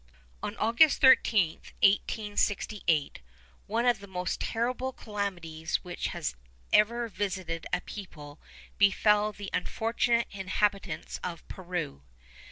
_ On August 13, 1868, one of the most terrible calamities which has ever visited a people befell the unfortunate inhabitants of Peru.